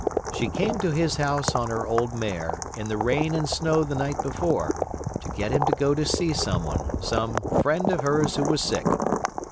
She came to his house on her old mare, in the rain and snow the night before, to get him to go to see someone, some "friend" of hers who was sick.